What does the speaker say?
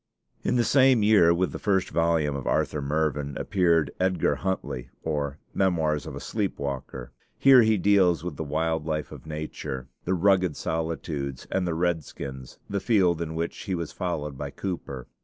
In the same year with the first volume of 'Arthur Mervyn' appeared 'Edgar Huntly: or Memoirs of a Sleep Walker.' Here he deals with the wild life of nature, the rugged solitudes, and the redskins, the field in which he was followed by Cooper.